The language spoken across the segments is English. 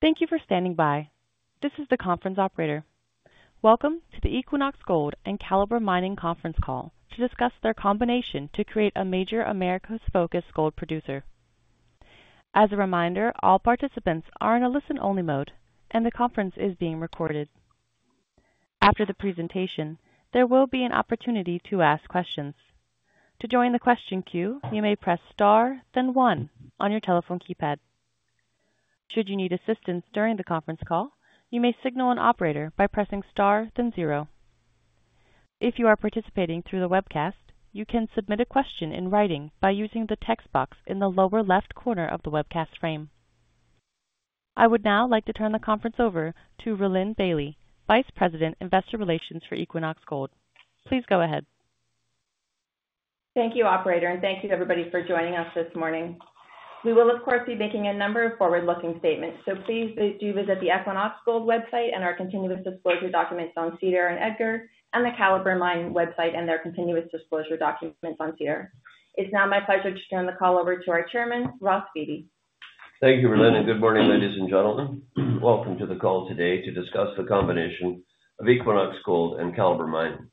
Thank you for standing by. This is the conference operator. Welcome to the Equinox Gold and Calibre Mining Conference Call to discuss their combination to create a major Americas-focused gold producer. As a reminder, all participants are in a listen-only mode, and the conference is being recorded. After the presentation, there will be an opportunity to ask questions. To join the question queue, you may press star, then one on your telephone keypad. Should you need assistance during the conference call, you may signal an operator by pressing star, then zero. If you are participating through the webcast, you can submit a question in writing by using the text box in the lower left corner of the webcast frame. I would now like to turn the conference over to Rhylin Bailie, Vice President, Investor Relations for Equinox Gold. Please go ahead. Thank you, Operator, and thank you, everybody, for joining us this morning. We will, of course, be making a number of forward-looking statements, so please do visit the Equinox Gold website and our continuous disclosure documents on SEDAR and EDGAR, and the Calibre Mining website and their continuous disclosure documents on SEDAR. It's now my pleasure to turn the call over to our Chairman, Ross Beaty. Thank you, Rhylin. Good morning, ladies and gentlemen. Welcome to the call today to discuss the combination of Equinox Gold and Calibre Mining.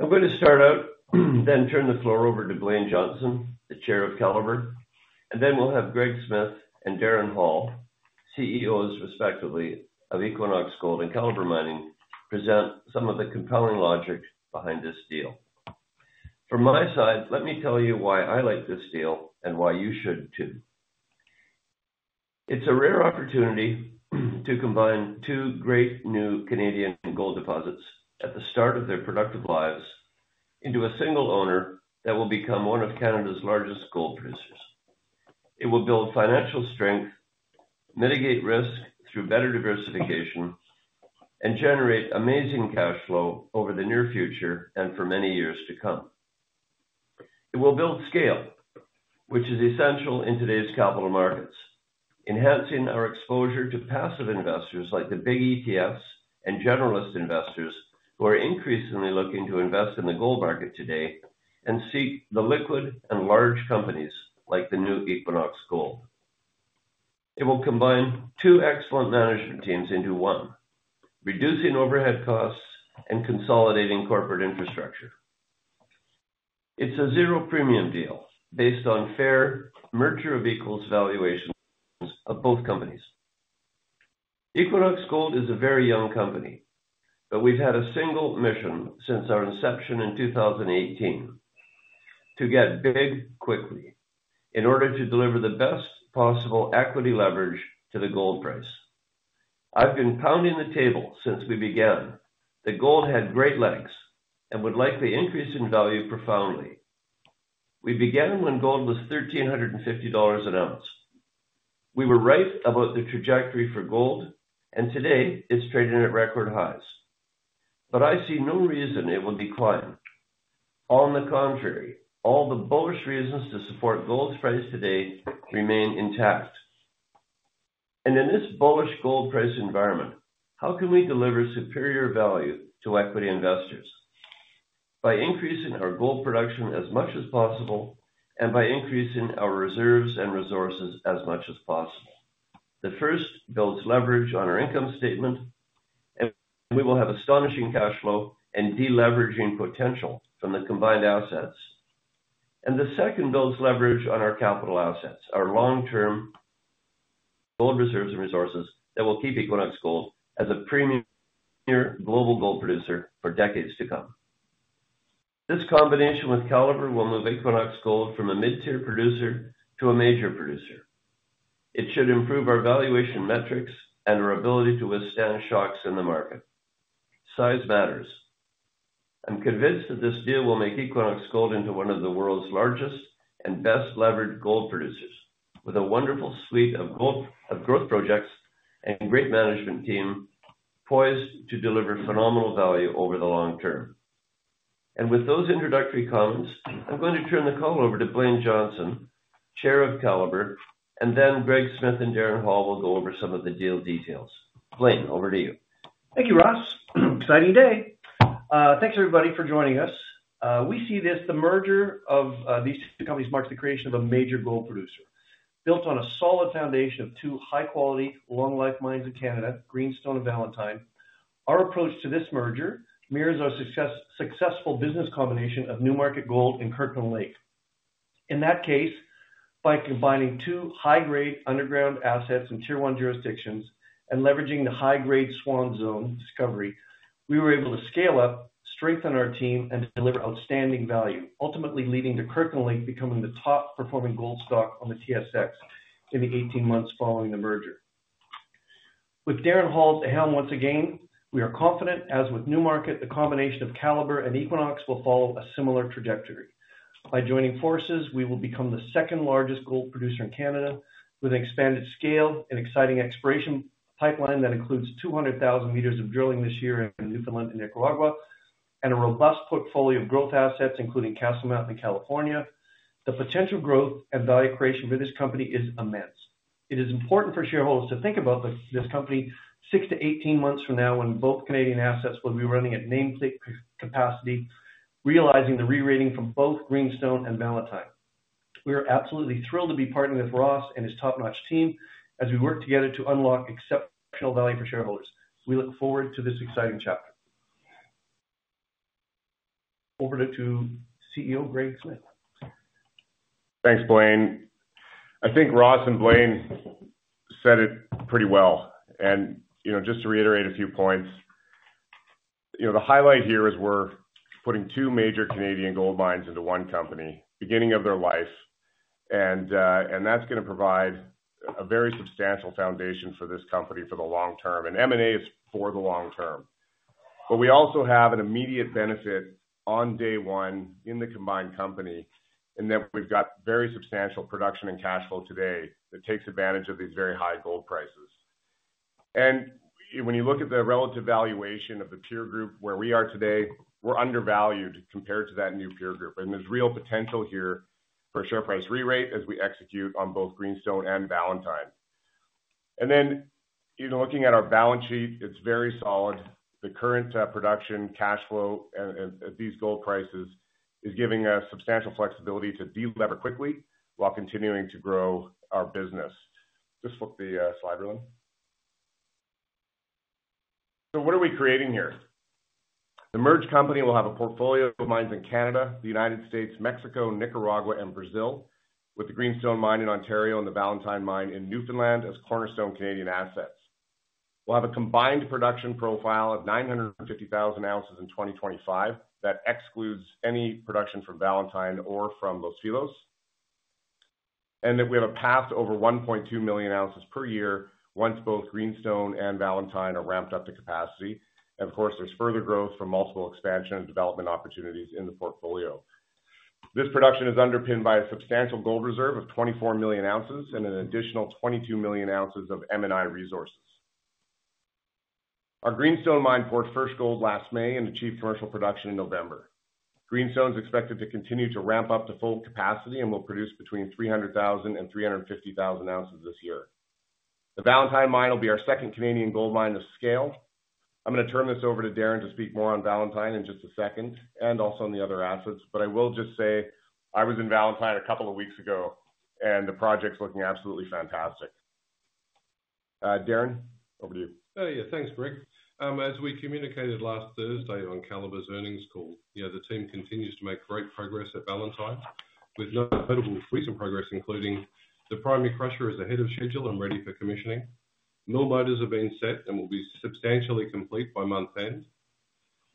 I'm going to start out, then turn the floor over to Blayne Johnson, the Chairman of Calibre, and then we'll have Greg Smith and Darren Hall, CEOs, respectively, of Equinox Gold and Calibre Mining, present some of the compelling logic behind this deal. From my side, let me tell you why I like this deal and why you should, too. It's a rare opportunity to combine two great new Canadian gold deposits at the start of their productive lives into a single owner that will become one of Canada's largest gold producers. It will build financial strength, mitigate risk through better diversification, and generate amazing cash flow over the near future and for many years to come. It will build scale, which is essential in today's capital markets, enhancing our exposure to passive investors like the big ETFs and generalist investors who are increasingly looking to invest in the gold market today and seek the liquid and large companies like the new Equinox Gold. It will combine two excellent management teams into one, reducing overhead costs and consolidating corporate infrastructure. It's a zero premium deal based on fair merger of equals valuations of both companies. Equinox Gold is a very young company, but we've had a single mission since our inception in 2018: to get big quickly in order to deliver the best possible equity leverage to the gold price. I've been pounding the table since we began. The gold had great legs and would likely increase in value profoundly. We began when gold was 1,350 dollars an ounce. We were right about the trajectory for gold, and today it's trading at record highs. But I see no reason it will decline. On the contrary, all the bullish reasons to support gold's price today remain intact. And in this bullish gold price environment, how can we deliver superior value to equity investors? By increasing our gold production as much as possible and by increasing our reserves and resources as much as possible. The first builds leverage on our income statement, and we will have astonishing cash flow and deleveraging potential from the combined assets. And the second builds leverage on our capital assets, our long-term gold reserves and resources that will keep Equinox Gold as a premier global gold producer for decades to come. This combination with Calibre will move Equinox Gold from a mid-tier producer to a major producer. It should improve our valuation metrics and our ability to withstand shocks in the market. Size matters. I'm convinced that this deal will make Equinox Gold into one of the world's largest and best-leveraged gold producers, with a wonderful suite of growth projects and a great management team poised to deliver phenomenal value over the long term. And with those introductory comments, I'm going to turn the call over to Blayne Johnson, Chair of Calibre, and then Greg Smith and Darren Hall will go over some of the deal details. Blayne, over to you. Thank you, Ross. Exciting day. Thanks, everybody, for joining us. We see this: the merger of these two companies marks the creation of a major gold producer built on a solid foundation of two high-quality, long-life mines in Canada, Greenstone and Valentine. Our approach to this merger mirrors our successful business combination of Newmarket Gold and Kirkland Lake. In that case, by combining two high-grade underground assets in tier-one jurisdictions and leveraging the high-grade Swan Zone discovery, we were able to scale up, strengthen our team, and deliver outstanding value, ultimately leading to Kirkland Lake becoming the top-performing gold stock on the TSX in the 18 months following the merger. With Darren Hall at the helm once again, we are confident, as with Newmarket, the combination of Calibre and Equinox will follow a similar trajectory. By joining forces, we will become the second-largest gold producer in Canada, with an expanded scale and exciting exploration pipeline that includes 200,000 meters of drilling this year in Newfoundland and Nicaragua, and a robust portfolio of growth assets, including Castle Mountain in California. The potential growth and value creation for this company is immense. It is important for shareholders to think about this company 6-18 months from now when both Canadian assets will be running at nameplate capacity, realizing the re-rating from both Greenstone and Valentine. We are absolutely thrilled to be partnering with Ross and his top-notch team as we work together to unlock exceptional value for shareholders. We look forward to this exciting chapter. Over to CEO Greg Smith. Thanks, Blayne. I think Ross and Blayne said it pretty well. And just to reiterate a few points, the highlight here is we're putting two major Canadian gold mines into one company, beginning of their life. And that's going to provide a very substantial foundation for this company for the long term. And M&A is for the long term. But we also have an immediate benefit on day one in the combined company in that we've got very substantial production and cash flow today that takes advantage of these very high gold prices. And when you look at the relative valuation of the peer group where we are today, we're undervalued compared to that new peer group. And there's real potential here for a share price re-rate as we execute on both Greenstone and Valentine. And then looking at our balance sheet, it's very solid. The current production, cash flow, and these gold prices are giving us substantial flexibility to delever quickly while continuing to grow our business. Just flip the slide, Rhylin. So what are we creating here? The merged company will have a portfolio of mines in Canada, the United States, Mexico, Nicaragua, and Brazil, with the Greenstone Mine in Ontario and the Valentine Mine in Newfoundland as cornerstone Canadian assets. We'll have a combined production profile of 950,000 ounces in 2025. That excludes any production from Valentine or from Los Filos, and that we have a path to over 1.2 million ounces per year once both Greenstone and Valentine are ramped up to capacity, and of course, there's further growth from multiple expansion and development opportunities in the portfolio. This production is underpinned by a substantial gold reserve of 24 million ounces and an additional 22 million ounces of M&I resources. Our Greenstone mine poured first gold last May and achieved commercial production in November. Greenstone is expected to continue to ramp up to full capacity and will produce between 300,000 and 350,000 ounces this year. The Valentine mine will be our second Canadian gold mine of scale. I'm going to turn this over to Darren to speak more on Valentine in just a second and also on the other assets. But I will just say I was in Valentine a couple of weeks ago, and the project's looking absolutely fantastic. Darren, over to you. Yeah, thanks, Greg. As we communicated last Thursday on Calibre's earnings call, the team continues to make great progress at Valentine. We've noted notable recent progress, including the primary crusher is ahead of schedule and ready for commissioning. Mill motors are being set and will be substantially complete by month's end.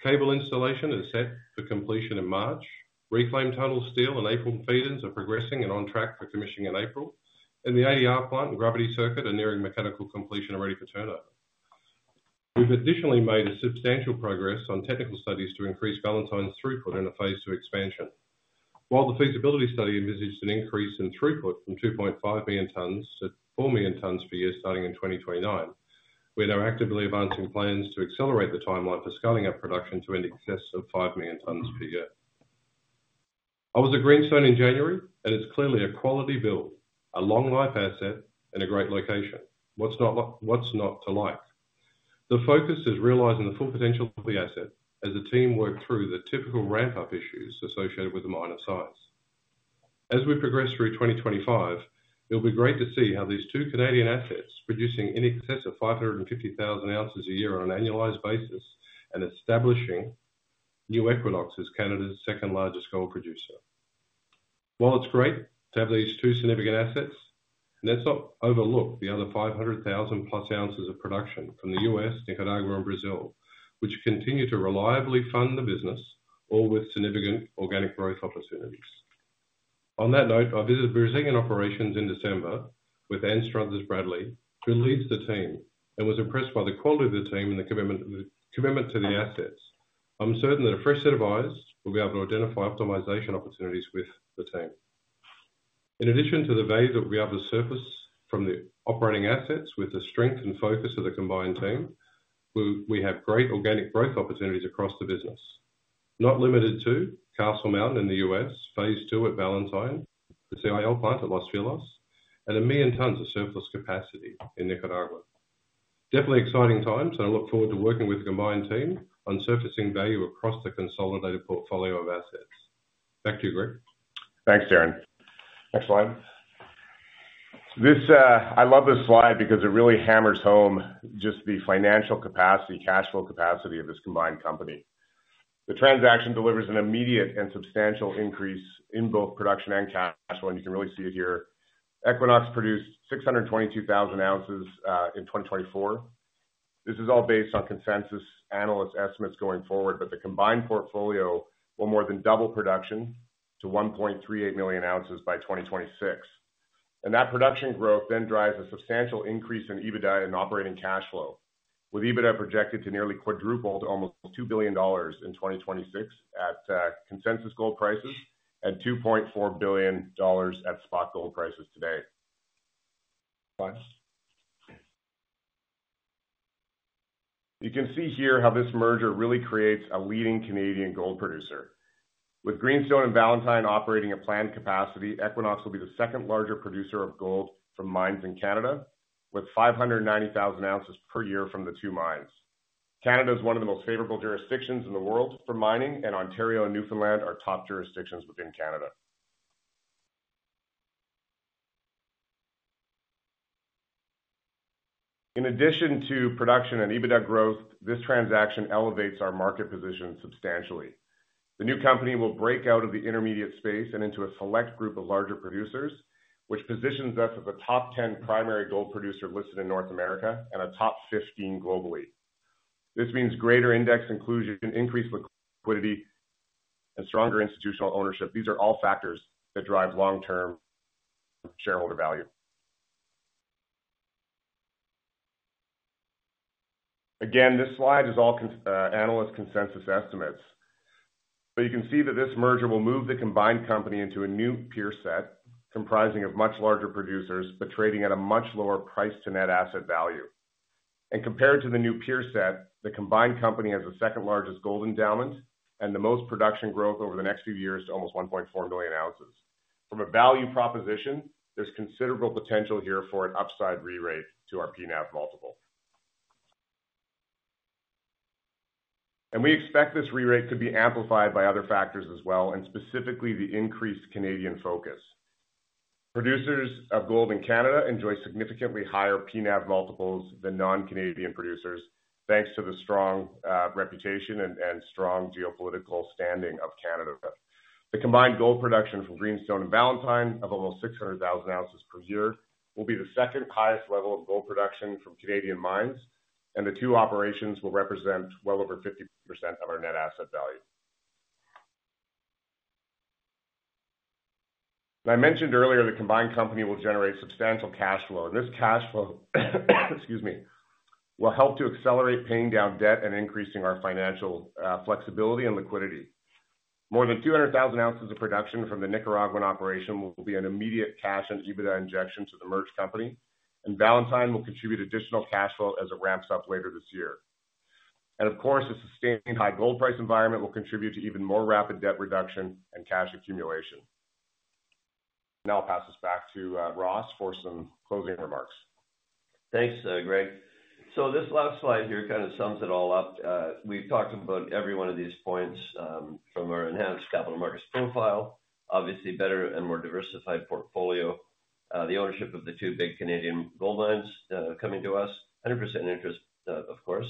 Cable installation is set for completion in March. Reclaim tunnel steel and apron feeders are progressing and on track for commissioning in April. And the ADR plant and gravity circuit are nearing mechanical completion and ready for turnover. We've additionally made substantial progress on technical studies to increase Valentine's throughput in a phase two expansion. While the feasibility study envisaged an increase in throughput from 2.5 million tons to 4 million tons per year starting in 2029, we're now actively advancing plans to accelerate the timeline for scaling up production to an excess of 5 million tons per year. I was at Greenstone in January, and it's clearly a quality build, a long-life asset, and a great location. What's not to like? The focus is realizing the full potential of the asset as the team work through the typical ramp-up issues associated with the mine of size. As we progress through 2025, it'll be great to see how these two Canadian assets are producing in excess of 550,000 ounces a year on an annualized basis and establishing New Equinox as Canada's second-largest gold producer. While it's great to have these two significant assets, let's not overlook the other 500,000+ ounces of production from the U.S., Nicaragua, and Brazil, which continue to reliably fund the business, all with significant organic growth opportunities. On that note, I visited Brazilian operations in December with Anstruther Bradley, who leads the team, and was impressed by the quality of the team and the commitment to the assets. I'm certain that a fresh set of eyes will be able to identify optimization opportunities with the team. In addition to the value that we'll be able to surface from the operating assets with the strength and focus of the combined team, we have great organic growth opportunities across the business, not limited to Castle Mountain in the U.S., Phase II at Valentine, the CIL plant at Los Filos, and a million tons of surplus capacity in Nicaragua. Definitely exciting times, and I look forward to working with the combined team on surfacing value across the consolidated portfolio of assets. Back to you, Greg. Thanks, Darren. Next slide. I love this slide because it really hammers home just the financial capacity, cash flow capacity of this combined company. The transaction delivers an immediate and substantial increase in both production and cash flow, and you can really see it here. Equinox produced 622,000 ounces in 2024. This is all based on consensus analysts' estimates going forward, but the combined portfolio will more than double production to 1.38 million ounces by 2026. And that production growth then drives a substantial increase in EBITDA and operating cash flow, with EBITDA projected to nearly quadruple to almost 2 billion dollars in 2026 at consensus gold prices and 2.4 billion dollars at spot gold prices today. You can see here how this merger really creates a leading Canadian gold producer. With Greenstone and Valentine operating at planned capacity, Equinox will be the second-largest producer of gold from mines in Canada, with 590,000 ounces per year from the two mines. Canada is one of the most favorable jurisdictions in the world for mining, and Ontario and Newfoundland are top jurisdictions within Canada. In addition to production and EBITDA growth, this transaction elevates our market position substantially. The new company will break out of the intermediate space and into a select group of larger producers, which positions us as a top 10 primary gold producer listed in North America and a top 15 globally. This means greater index inclusion, increased liquidity, and stronger institutional ownership. These are all factors that drive long-term shareholder value. Again, this slide is all analyst consensus estimates. But you can see that this merger will move the combined company into a new peer set comprising of much larger producers but trading at a much lower price-to-net asset value. And compared to the new peer set, the combined company has a second-largest gold endowment and the most production growth over the next few years to almost 1.4 million ounces. From a value proposition, there's considerable potential here for an upside re-rate to our PNAV multiple. And we expect this re-rate could be amplified by other factors as well, and specifically the increased Canadian focus. Producers of gold in Canada enjoy significantly higher PNAV multiples than non-Canadian producers, thanks to the strong reputation and strong geopolitical standing of Canada. The combined gold production from Greenstone and Valentine of almost 600,000 ounces per year will be the second highest level of gold production from Canadian mines, and the two operations will represent well over 50% of our net asset value. I mentioned earlier the combined company will generate substantial cash flow, and this cash flow will help to accelerate paying down debt and increasing our financial flexibility and liquidity. More than 200,000 ounces of production from the Nicaraguan operation will be an immediate cash and EBITDA injection to the merged company, and Valentine will contribute additional cash flow as it ramps up later this year, and of course, a sustained high gold price environment will contribute to even more rapid debt reduction and cash accumulation. Now I'll pass this back to Ross for some closing remarks. Thanks, Greg. So this last slide here kind of sums it all up. We've talked about every one of these points from our enhanced capital markets profile, obviously better and more diversified portfolio, the ownership of the two big Canadian gold mines coming to us, 100% interest, of course,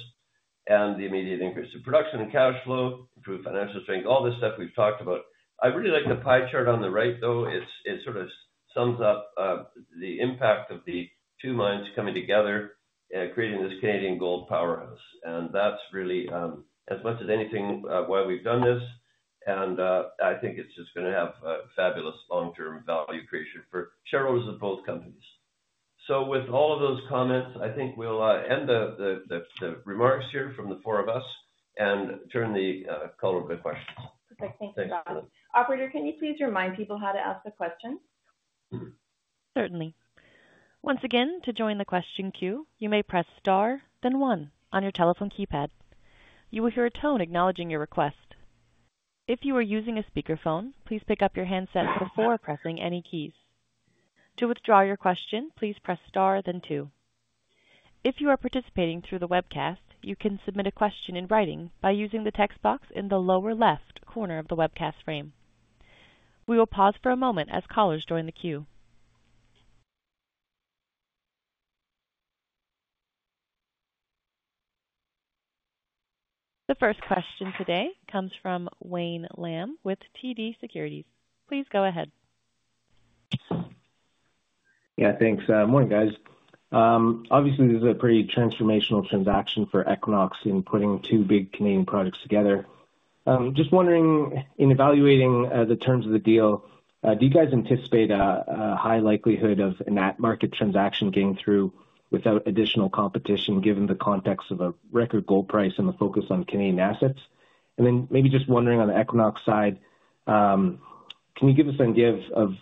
and the immediate increase of production and cash flow, improved financial strength, all this stuff we've talked about. I really like the pie chart on the right, though. It sort of sums up the impact of the two mines coming together and creating this Canadian gold powerhouse. And that's really as much as anything why we've done this. And I think it's just going to have fabulous long-term value creation for shareholders of both companies. So with all of those comments, I think we'll end the remarks here from the four of us and turn the call over to questions. Perfect. Thanks, Ross. Operator, can you please remind people how to ask the question? Certainly. Once again, to join the question queue, you may press star, then one on your telephone keypad. You will hear a tone acknowledging your request. If you are using a speakerphone, please pick up your handset before pressing any keys. To withdraw your question, please press star, then two. If you are participating through the webcast, you can submit a question in writing by using the text box in the lower left corner of the webcast frame. We will pause for a moment as callers join the queue. The first question today comes from Wayne Lam with TD Securities. Please go ahead. Yeah, thanks. Morning, guys. Obviously, this is a pretty transformational transaction for Equinox in putting two big Canadian projects together. Just wondering, in evaluating the terms of the deal, do you guys anticipate a high likelihood of market transaction getting through without additional competition given the context of a record gold price and the focus on Canadian assets? And then maybe just wondering on the Equinox side, can you give us an idea of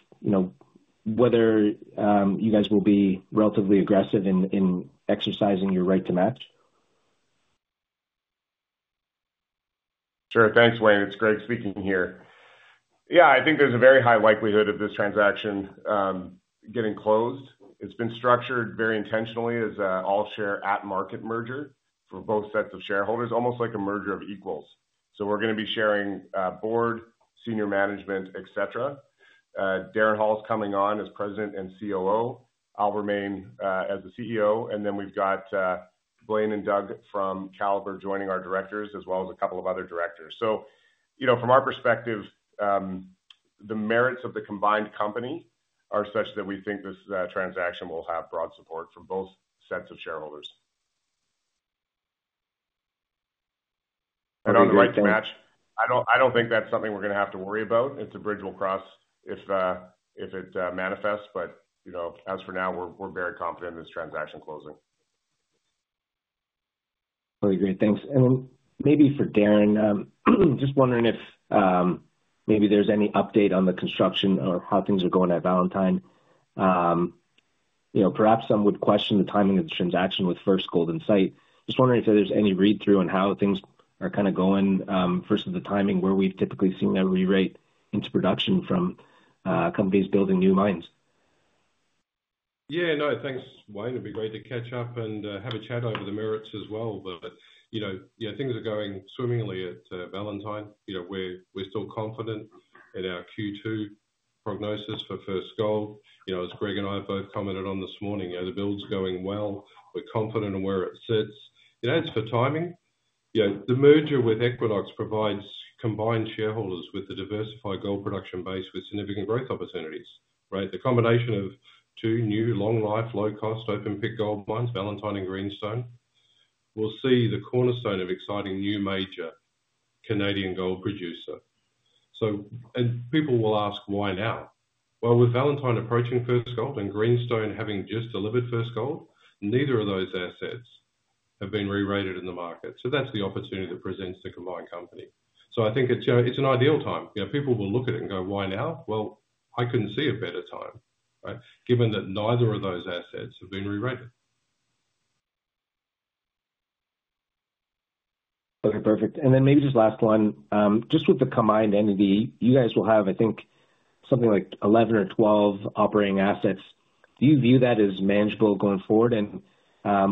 whether you guys will be relatively aggressive in exercising your right to match? Sure. Thanks, Wayne. It's Greg speaking here. Yeah, I think there's a very high likelihood of this transaction getting closed. It's been structured very intentionally as an all-share at-market merger for both sets of shareholders, almost like a merger of equals. So we're going to be sharing board, senior management, etc. Darren Hall is coming on as President and COO. I'll remain as the CEO. And then we've got Blayne and Doug from Calibre joining our directors, as well as a couple of other directors. So from our perspective, the merits of the combined company are such that we think this transaction will have broad support from both sets of shareholders. And on the right to match, I don't think that's something we're going to have to worry about. It's a bridge we'll cross if it manifests. But as for now, we're very confident in this transaction closing. Totally agree. Thanks. And then maybe for Darren, just wondering if maybe there's any update on the construction or how things are going at Valentine. Perhaps some would question the timing of the transaction with first gold in sight. Just wondering if there's any read-through on how things are kind of going versus the timing where we've typically seen a re-rate into production from companies building new mines. Yeah, no, thanks, Wayne. It'd be great to catch up and have a chat over the merits as well. But things are going swimmingly at Valentine. We're still confident in our Q2 prognosis for first gold. As Greg and I have both commented on this morning, the build's going well. We're confident in where it sits. It adds for timing. The merger with Equinox provides combined shareholders with a diversified gold production base with significant growth opportunities, right? The combination of two new long-life, low-cost, open-pit gold mines, Valentine and Greenstone, will see the cornerstone of exciting new major Canadian gold producer. And people will ask, why now? Well, with Valentine approaching first gold and Greenstone having just delivered first gold, neither of those assets have been re-rated in the market. So that's the opportunity that presents the combined company. So I think it's an ideal time. People will look at it and go, why now? Well, I couldn't see a better time, given that neither of those assets have been re-rated. Okay, perfect. And then maybe just last one. Just with the combined entity, you guys will have, I think, something like 11 or 12 operating assets. Do you view that as manageable going forward? And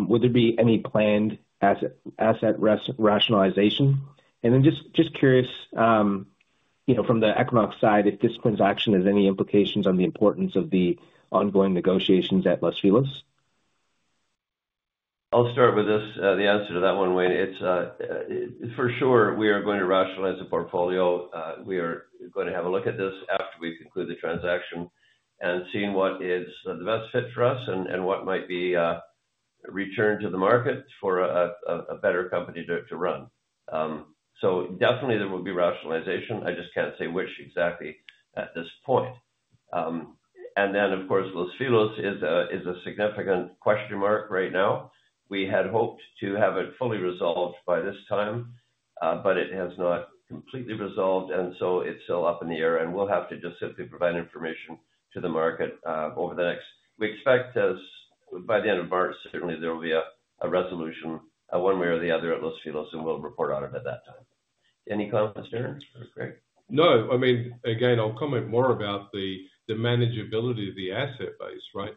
would there be any planned asset rationalization? And then just curious, from the Equinox side, if this transaction has any implications on the importance of the ongoing negotiations at Los Filos? I'll start with this, the answer to that one, Wayne. For sure, we are going to rationalize the portfolio. We are going to have a look at this after we've concluded the transaction and seen what is the best fit for us and what might be returned to the market for a better company to run. So definitely there will be rationalization. I just can't say which exactly at this point. And then, of course, Los Filos is a significant question mark right now. We had hoped to have it fully resolved by this time, but it has not completely resolved, and so it's still up in the air, and we'll have to just simply provide information to the market over the next we expect by the end of March. Certainly there will be a resolution one way or the other at Los Filos, and we'll report on it at that time. Any comments, Darren? No, I mean, again, I'll comment more about the manageability of the asset base, right?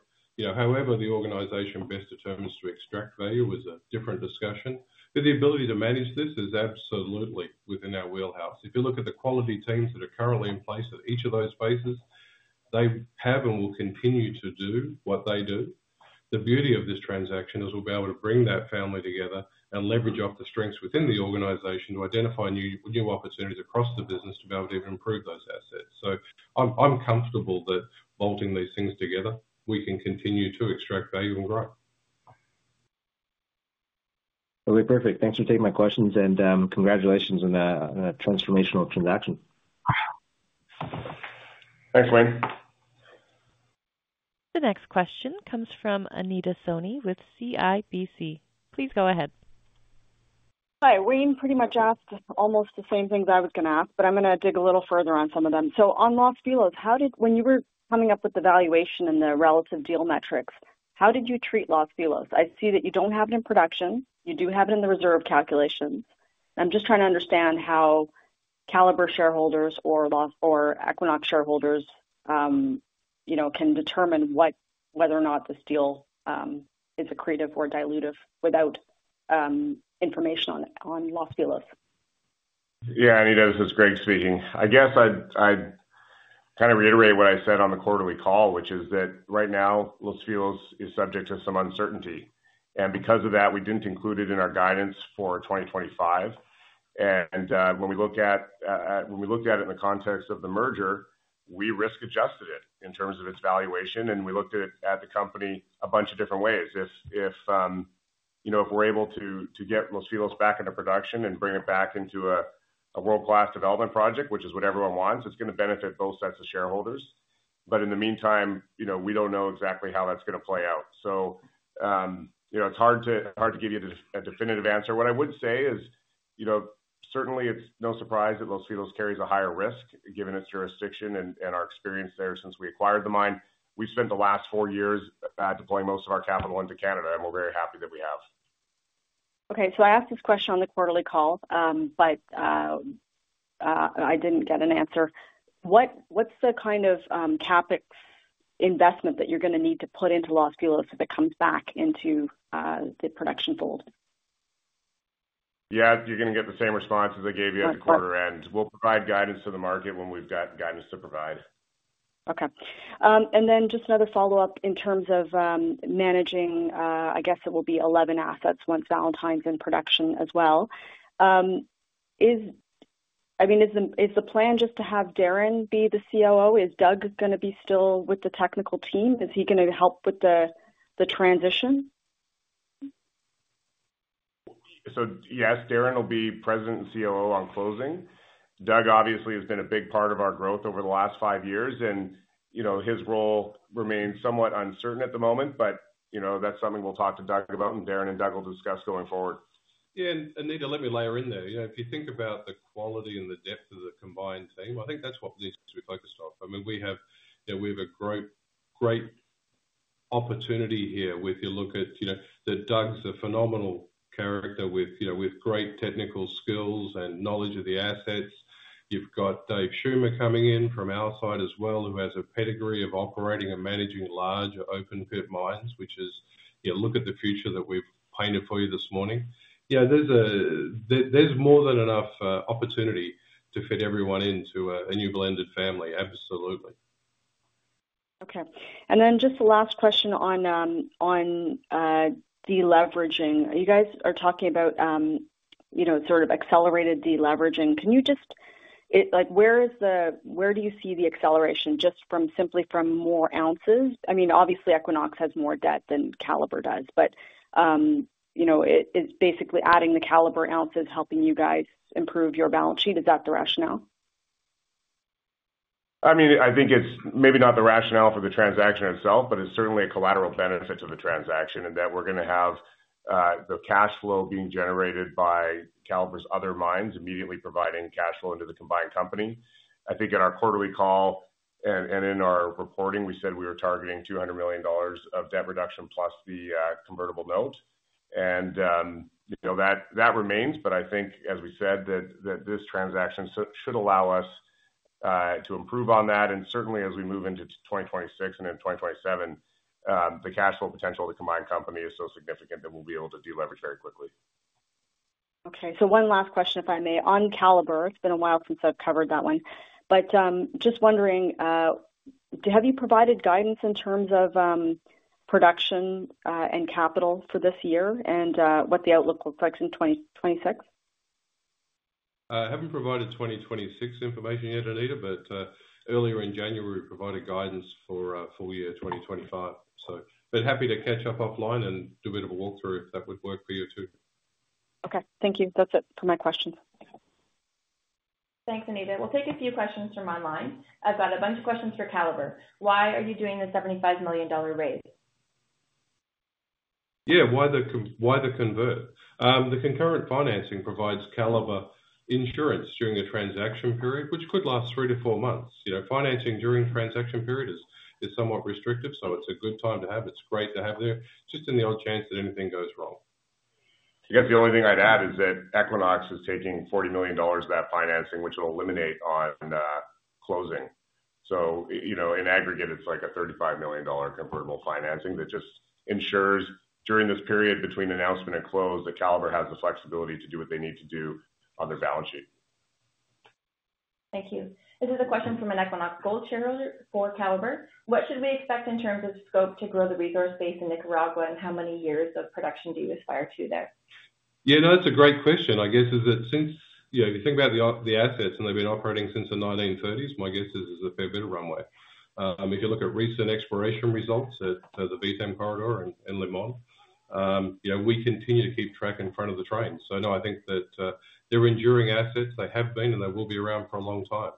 However the organization best determines to extract value is a different discussion. But the ability to manage this is absolutely within our wheelhouse. If you look at the quality teams that are currently in place at each of those bases, they have and will continue to do what they do. The beauty of this transaction is we'll be able to bring that family together and leverage off the strengths within the organization to identify new opportunities across the business to be able to even improve those assets. So I'm comfortable that bolting these things together, we can continue to extract value and grow. Totally perfect. Thanks for taking my questions, and congratulations on a transformational transaction. Thanks, Wayne. The next question comes from Anita Soni with CIBC. Please go ahead. Hi, Wayne pretty much asked almost the same things I was going to ask, but I'm going to dig a little further on some of them. On Los Filos, when you were coming up with the valuation and the relative deal metrics, how did you treat Los Filos? I see that you don't have it in production. You do have it in the reserve calculations. I'm just trying to understand how Calibre shareholders or Equinox shareholders can determine whether or not this deal is accretive or dilutive without information on Los Filos. Yeah, Anita, this is Greg speaking. I guess I'd kind of reiterate what I said on the quarterly call, which is that right now, Los Filos is subject to some uncertainty. And because of that, we didn't include it in our guidance for 2025. And when we looked at it in the context of the merger, we risk-adjusted it in terms of its valuation, and we looked at the company a bunch of different ways. If we're able to get Los Filos back into production and bring it back into a world-class development project, which is what everyone wants, it's going to benefit both sets of shareholders. But in the meantime, we don't know exactly how that's going to play out. So it's hard to give you a definitive answer. What I would say is certainly it's no surprise that Los Filos carries a higher risk given its jurisdiction and our experience there since we acquired the mine. We've spent the last four years deploying most of our capital into Canada, and we're very happy that we have. Okay. So I asked this question on the quarterly call, but I didn't get an answer. What's the kind of CapEx investment that you're going to need to put into Los Filos if it comes back into the production fold? Yeah, you're going to get the same response as I gave you at the quarter end. We'll provide guidance to the market when we've got guidance to provide. Okay. And then just another follow-up in terms of managing, I guess it will be 11 assets once Valentine's in production as well. I mean, is the plan just to have Darren be the COO? Is Doug going to be still with the technical team? Is he going to help with the transition? So yes, Darren will be president and COO on closing. Doug obviously has been a big part of our growth over the last five years, and his role remains somewhat uncertain at the moment, but that's something we'll talk to Doug about, and Darren and Doug will discuss going forward. Yeah, and Anita, let me layer in there. If you think about the quality and the depth of the combined team, I think that's what needs to be focused on. I mean, we have a great opportunity here with you look at Doug is a phenomenal character with great technical skills and knowledge of the assets. You've got Dave Schummer coming in from our side as well, who has a pedigree of operating and managing large open-pit mines, which is. Look at the future that we've painted for you this morning. Yeah, there's more than enough opportunity to fit everyone into a new blended family. Absolutely. Okay. And then just the last question on deleveraging. You guys are talking about sort of accelerated deleveraging. Can you just, where do you see the acceleration just from simply more ounces? I mean, obviously, Equinox has more debt than Calibre does, but it's basically adding the Calibre ounces, helping you guys improve your balance sheet. Is that the rationale? I mean, I think it's maybe not the rationale for the transaction itself, but it's certainly a collateral benefit to the transaction in that we're going to have the cash flow being generated by Calibre's other mines immediately providing cash flow into the combined company. I think in our quarterly call and in our reporting, we said we were targeting 200 million dollars of debt reduction plus the convertible note. And that remains, but I think, as we said, that this transaction should allow us to improve on that. And certainly, as we move into 2026 and then 2027, the cash flow potential of the combined company is so significant that we'll be able to deleverage very quickly. Okay. So one last question, if I may. On Calibre, it's been a while since I've covered that one. But just wondering, have you provided guidance in terms of production and capital for this year and what the outlook looks like in 2026? I haven't provided 2026 information yet, Anita, but earlier in January, we provided guidance for full year 2025. But happy to catch up offline and do a bit of a walkthrough if that would work for you too. Okay. Thank you. That's it for my questions. Thanks, Anita. We'll take a few questions from online. I've got a bunch of questions for Calibre. Why are you doing the 75 million dollar raise? Yeah, why the convert? The concurrent financing provides Calibre insurance during a transaction period, which could last three to four months. Financing during a transaction period is somewhat restrictive, so it's a good time to have. It's great to have there, just in the odd chance that anything goes wrong. I guess the only thing I'd add is that Equinox is taking 40 million dollars of that financing, which will eliminate on closing. So in aggregate, it's like a 35 million dollar convertible financing that just ensures during this period between announcement and close, that Calibre has the flexibility to do what they need to do on their balance sheet. Thank you. This is a question from an Equinox Gold shareholder for Calibre. What should we expect in terms of scope to grow the resource base in Nicaragua, and how many years of production do you aspire to there? Yeah, no, that's a great question. I guess since you think about the assets and they've been operating since the 1930s, my guess is there's a fair bit of runway. If you look at recent exploration results at the VTEM Corridor in El Limon, we continue to keep track in front of the train, so no, I think that they're enduring assets. They have been, and they will be around for a long time,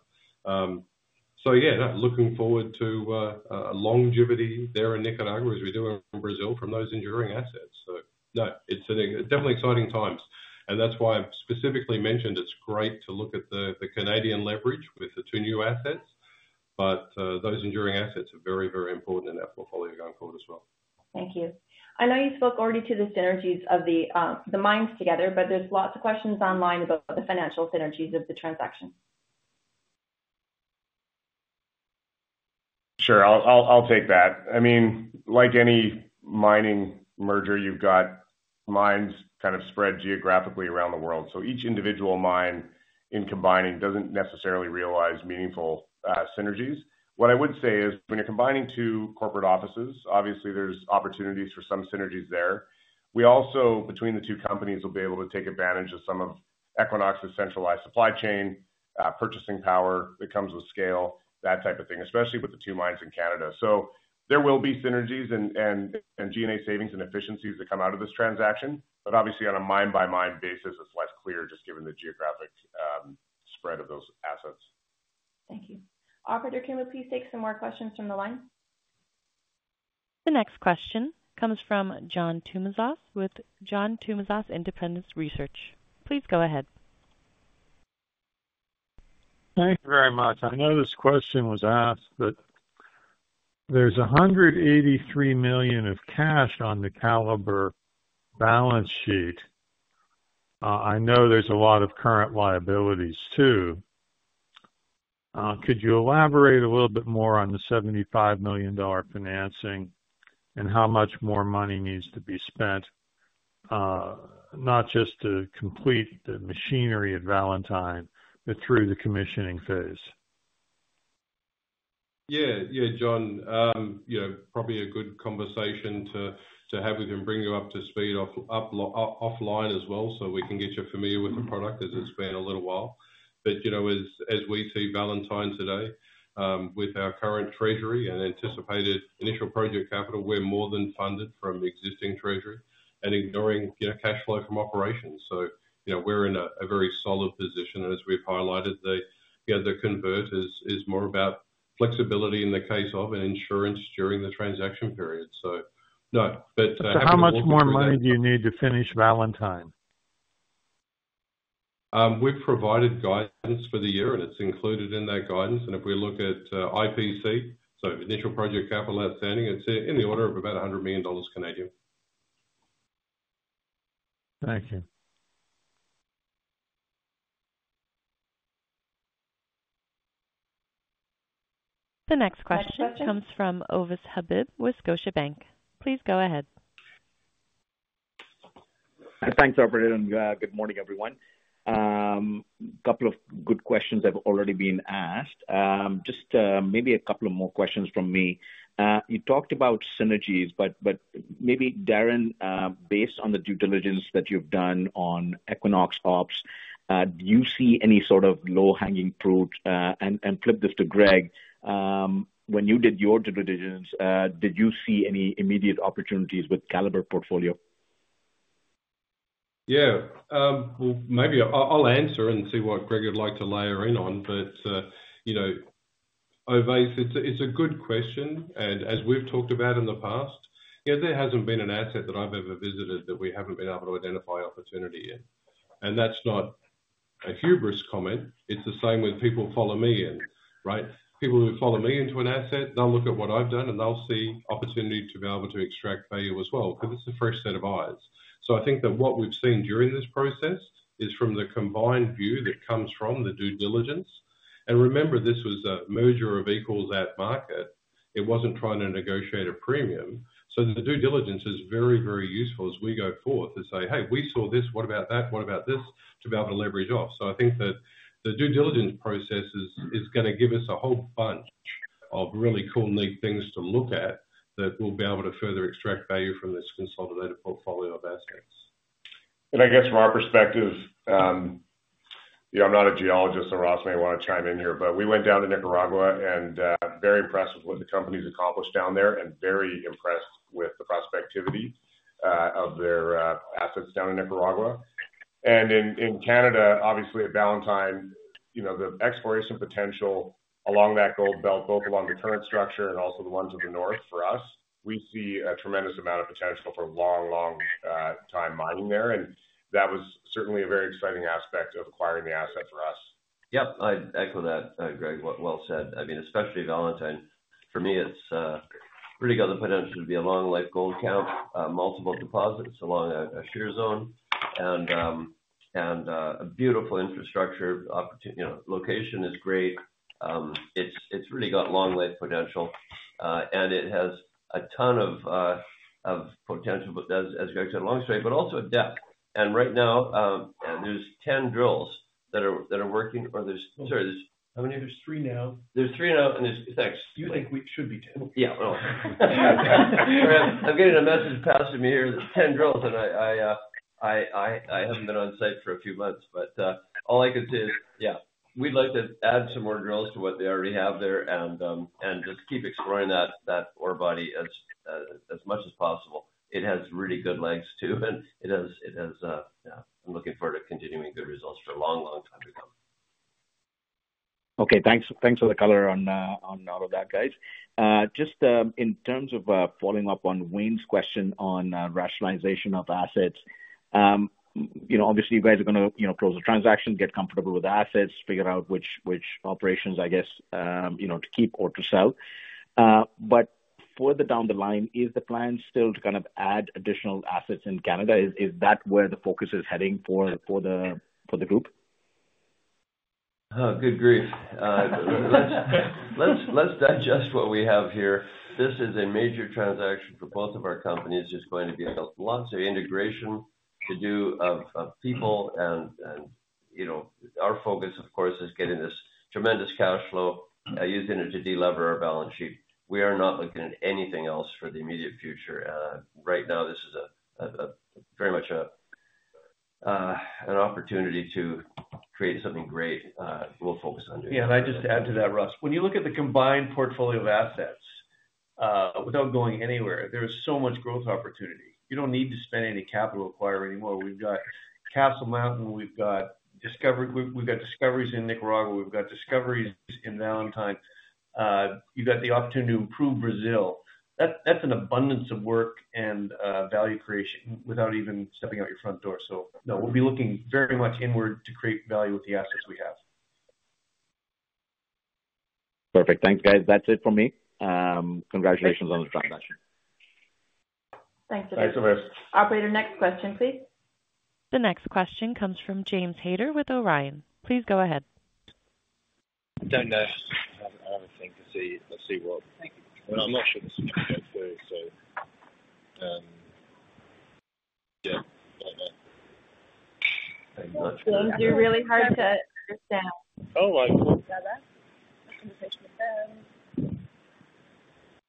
so yeah, looking forward to longevity there in Nicaragua as we do in Brazil from those enduring assets, so no, it's definitely exciting times, and that's why I've specifically mentioned it's great to look at the Canadian leverage with the two new assets, but those enduring assets are very, very important in that portfolio going forward as well. Thank you. I know you spoke already to the synergies of the mines together, but there's lots of questions online about the financial synergies of the transaction. Sure. I'll take that. I mean, like any mining merger, you've got mines kind of spread geographically around the world. So each individual mine in combining doesn't necessarily realize meaningful synergies. What I would say is when you're combining two corporate offices, obviously there's opportunities for some synergies there. We also, between the two companies, will be able to take advantage of some of Equinox's centralized supply chain, purchasing power that comes with scale, that type of thing, especially with the two mines in Canada. So there will be synergies and G&A savings and efficiencies that come out of this transaction. But obviously, on a mine-by-mine basis, it's less clear just given the geographic spread of those assets. Thank you. Operator, can you please take some more questions from the line. The next question comes from John Tumazos with John Tumazos Independent Research. Please go ahead. Thank you very much. I know this question was asked, but there's 183 million of cash on the Calibre balance sheet. I know there's a lot of current liabilities too. Could you elaborate a little bit more on the 75 million dollar financing and how much more money needs to be spent, not just to complete the machinery at Valentine, but through the commissioning phase? Yeah, yeah, John. Probably a good conversation to have with him. Bring you up to speed offline as well so we can get you familiar with the product as it's been a little while. But as we see Valentine today, with our current treasury and anticipated initial project capital, we're more than funded from existing treasury and ignoring cash flow from operations. So we're in a very solid position. And as we've highlighted, the convert is more about flexibility in the case of and insurance during the transaction period. So no, but. So how much more money do you need to finish Valentine? We've provided guidance for the year, and it's included in that guidance. If we look at IPC, so initial project capital outstanding, it's in the order of about 100 million Canadian dollars. Thank you. The next question comes from Ovais Habib, Scotiabank. Please go ahead. Thanks, Operator. And good morning, everyone. A couple of good questions have already been asked. Just maybe a couple of more questions from me. You talked about synergies, but maybe Darren, based on the due diligence that you've done on Equinox Ops, do you see any sort of low-hanging fruit? And flip this to Greg. When you did your due diligence, did you see any immediate opportunities with Calibre portfolio? Yeah. Well, maybe I'll answer and see what Greg would like to layer in on. But Ovais, it's a good question. And as we've talked about in the past, there hasn't been an asset that I've ever visited that we haven't been able to identify opportunity in. And that's not a hubris comment. It's the same with people who follow me in, right? People who follow me into an asset, they'll look at what I've done, and they'll see opportunity to be able to extract value as well because it's a fresh set of eyes. So I think that what we've seen during this process is from the combined view that comes from the due diligence. And remember, this was a merger of equals at market. It wasn't trying to negotiate a premium. So the due diligence is very, very useful as we go forth to say, "Hey, we saw this. What about that? What about this?" to be able to leverage off. So I think that the due diligence process is going to give us a whole bunch of really cool, neat things to look at that we'll be able to further extract value from this consolidated portfolio of assets. And I guess from our perspective, I'm not a geologist, so Ross may want to chime in here, but we went down to Nicaragua and very impressed with what the company's accomplished down there and very impressed with the prospectivity of their assets down in Nicaragua. And in Canada, obviously at Valentine, the exploration potential along that gold belt, both along the current structure and also the ones in the north, for us we see a tremendous amount of potential for long, long time mining there. And that was certainly a very exciting aspect of acquiring the asset for us. Yep. I'd echo that, Greg, what was said. I mean, especially Valentine. For me, it's really got the potential to be a long-life gold mine, multiple deposits along a shear zone, and a beautiful infrastructure location is great. It's really got long-life potential, and it has a ton of potential, as Greg said, along strike, but also depth. Right now, there's 10 drills that are working, or there's, sorry, there's how many? There's three now. There's three now, and there's. Thanks. You think we should be 10. Yeah. I'm getting a message passed to me here that there's 10 drills, and I haven't been on site for a few months. But all I can say is, yeah, we'd like to add some more drills to what they already have there and just keep exploring that ore body as much as possible. It has really good lengths too, and it has, yeah, I'm looking forward to continuing good results for a long, long time to come. Okay. Thanks for the color on all of that, guys. Just in terms of following up on Wayne's question on rationalization of assets, obviously, you guys are going to close the transaction, get comfortable with the assets, figure out which operations, I guess, to keep or to sell. But further down the line, is the plan still to kind of add additional assets in Canada? Is that where the focus is heading for the group? Good grief. Let's digest what we have here. This is a major transaction for both of our companies. There's going to be lots of integration to do of people. And our focus, of course, is getting this tremendous cash flow, using it to de-lever our balance sheet. We are not looking at anything else for the immediate future. Right now, this is very much an opportunity to create something great. We'll focus on doing that. Yeah, and I'd just add to that, Russ, when you look at the combined portfolio of assets, without going anywhere, there is so much growth opportunity. You don't need to spend any capital acquiring anymore. We've got Castle Mountain. We've got discoveries in Nicaragua. We've got discoveries in Valentine. You've got the opportunity to improve Brazil. That's an abundance of work and value creation without even stepping out your front door, so no, we'll be looking very much inward to create value with the assets we have. Perfect. Thanks, guys. That's it for me. Congratulations on the transaction. Thanks, Ovais. Thanks, Ovais. Operator, next question, please. The next question comes from James Hayter with Orion. Please go ahead. I don't know. I haven't seen what. I'm not sure this is going to go through, so. Yeah. I don't know. It seems you're really hard to understand. Oh, right.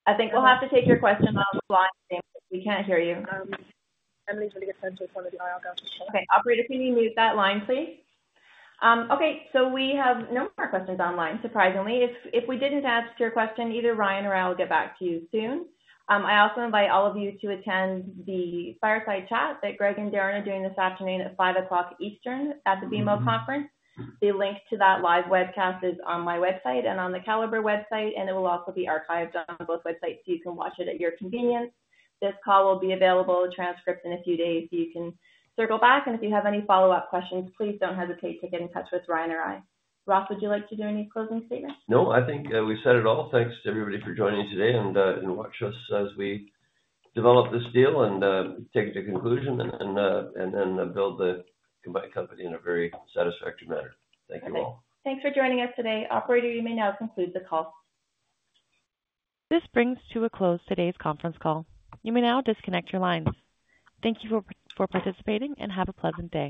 I think we'll have to take your question offline, James. We can't hear you. Emily's really good time to respond to the audio just now. Okay. Operator, can you mute that line, please? Okay. So we have no more questions online, surprisingly. If we didn't ask your question, either Ryan or I will get back to you soon. I also invite all of you to attend the fireside chat that Greg and Darren are doing this afternoon at 5:00 P.M. Eastern at the BMO Conference. The link to that live webcast is on my website and on the Calibre website, and it will also be archived on both websites so you can watch it at your convenience. This call will be available, transcript in a few days, so you can circle back, and if you have any follow-up questions, please don't hesitate to get in touch with Ryan or I. Ross, would you like to do any closing statements? No, I think we've said it all. Thanks to everybody for joining today and watching us as we develop this deal and take it to conclusion and then build the combined company in a very satisfactory manner. Thank you all. Thanks for joining us today. Operator, you may now conclude the call. This brings to a close today's conference call. You may now disconnect your lines. Thank you for participating and have a pleasant day.